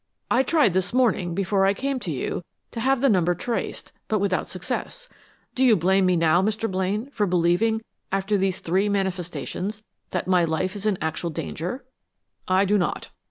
I tried this morning, before I came to you, to have the number traced, but without success. Do you blame me now, Mr. Blaine, for believing, after these three manifestations, that my life is in actual danger?" "I do not."